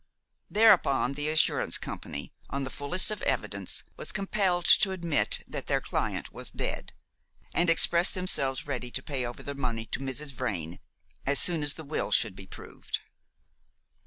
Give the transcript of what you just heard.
Thereupon the assurance company, on the fullest of evidence, was compelled to admit that their client was dead, and expressed themselves ready to pay over the money to Mrs. Vrain as soon as the will should be proved.